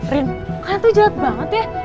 rin kalian tuh jelek banget ya